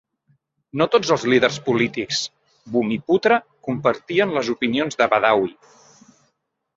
No tots els líders polítics "bumiputra" compartien les opinions de Badawi.